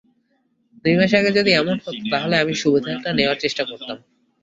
দুই মাস আগে যদি এমন হতো, তাহলে আমি সুবিধাটা নেওয়ার চেষ্টা করতাম।